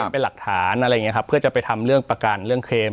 เป็นหลักฐานอะไรอย่างนี้ครับเพื่อจะไปทำเรื่องประกันเรื่องเคลม